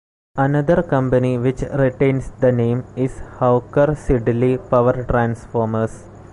Another company which retains the name is Hawker Siddeley Power Transformers.